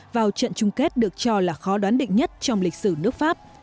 vào trận chung kết được cho là khó đoán định nhất trong lịch sử nước pháp